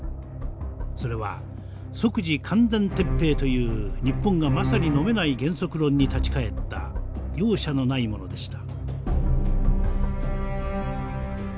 それは即時完全撤兵という日本がまさにのめない原則論に立ち返った容赦のないものでした。